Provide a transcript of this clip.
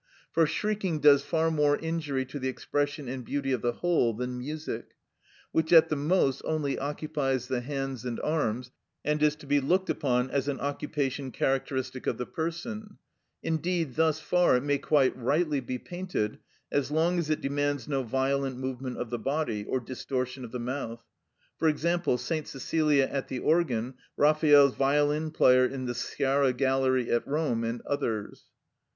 For shrieking does far more injury to the expression and beauty of the whole than music, which at the most only occupies the hands and arms, and is to be looked upon as an occupation characteristic of the person; indeed thus far it may quite rightly be painted, as long as it demands no violent movement of the body, or distortion of the mouth: for example, St. Cecilia at the organ, Raphael's violin player in the Sciarra Gallery at Rome, and others.